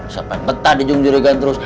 siapa yang peta dijung jirikan terus